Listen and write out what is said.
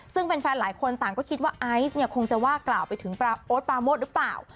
ซึ่งแฟนหลายคนต่างก็คิดว่าไอซ์เนี่ยคงจะว่ากล่าวไปถึงโอ๊ตปราโมทหรือเปล่า